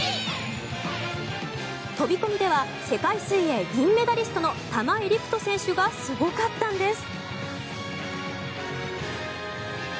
飛込では、世界水泳銀メダリストの玉井陸斗選手がすごかったんです。